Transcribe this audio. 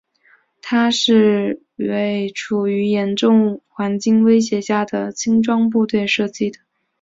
它是为处于较严重威胁环境下的轻装部队而设计的。